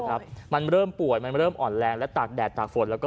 ครับมันเริ่มป่วยมันเริ่มอ่อนแรงและตากแดดตากฝนแล้วก็